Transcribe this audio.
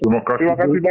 terima kasih bu